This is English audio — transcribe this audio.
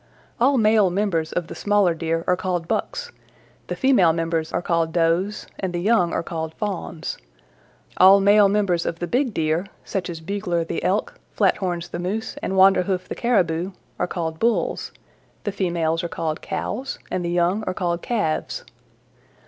"All male members of the smaller Deer are called bucks, the female members are called does, and the young are called fawns. All male members of the big Deer, such as Bugler the Elk, Flathorns the Moose and Wanderhoof the Caribou, are called bulls. The females are called cows and the young are called calves.